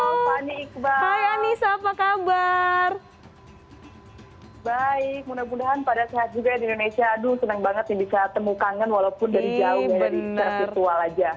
aduh senang banget ini bisa temukan kan walaupun dari jauh dari terbitual aja